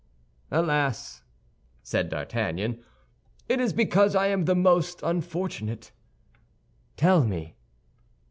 "Alas," said D'Artagnan, "it is because I am the most unfortunate." "Tell me."